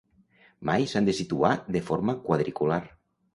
Mai s'han de situar de forma quadricular.